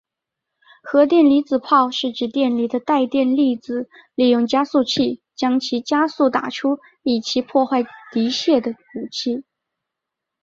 荷电粒子炮是指电离的带电粒子利用加速器将其加速打出以其破坏敌械的武器。